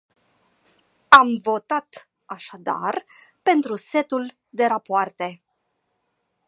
Am votat, așadar, pentru setul de rapoarte.